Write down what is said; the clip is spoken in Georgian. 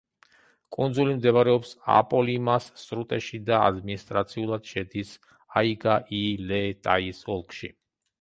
კუნძული მდებარეობს აპოლიმას სრუტეში და ადმინისტრაციულად შედის აიგა-ი-ლე-ტაის ოლქში.